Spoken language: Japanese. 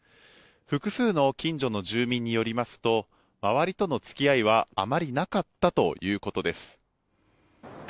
複数の近所の住民によりますと周りとの付き合いはあまり見られていなかったということです。